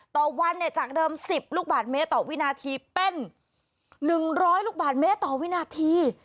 ต่อวันเนี่ยจากเดิมสิบลูกบาทเมตต่อวินาทีเป็นหนึ่งร้อยลูกบาทเมตต่อวินาที